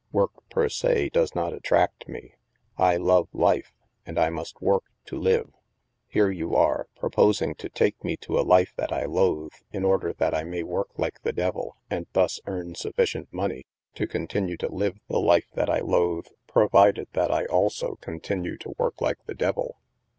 Work, per se, does not attract me. I love life, and I must work to live. Here you are, proposing to take me to a life that I loathe, in order that I may work like the devil, and thus earn sufficient money to continue to live the life that I loathe, provided that I also continue to work like the devil